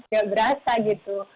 ya berasa gitu